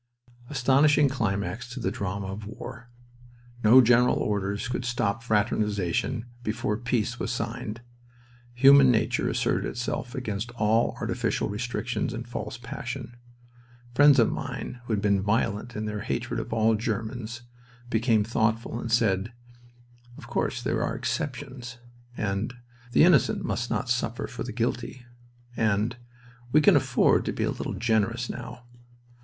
Astonishing climax to the drama of war! No general orders could stop fraternization before peace was signed. Human nature asserted itself against all artificial restrictions and false passion. Friends of mine who had been violent in their hatred of all Germans became thoughtful, and said: "Of course there are exceptions," and, "The innocent must not suffer for the guilty," and, "We can afford to be a little generous now."